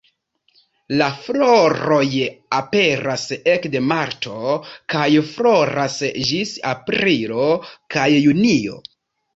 La floroj aperas ekde marto kaj floras ĝis aprilo kaj junio.